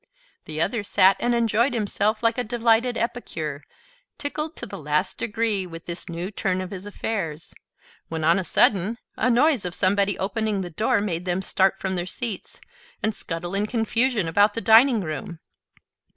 The other sat and enjoyed himself like a delighted epicure, tickled to the last degree with this new turn of his affairs; when on a sudden, a noise of somebody opening the door made them start from their seats, and scuttle in confusion about the dining room.